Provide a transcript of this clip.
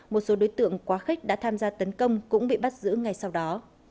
một số đối tượng quá khích đã tham gia tấn công cũng bị bắt giữ ngay sau đó